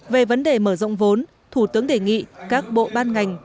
về vấn đề mở rộng vốn thủ tướng đề nghị các bộ ban ngành